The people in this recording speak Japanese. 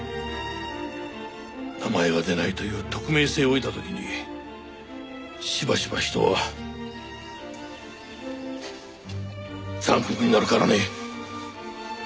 名前が出ないという匿名性を得た時にしばしば人は残酷になるからね。